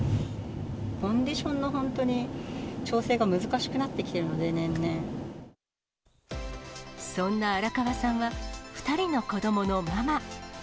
コンディションの本当に、調整が難しくなってきているので、そんな荒川さんは、２人の子どものママ。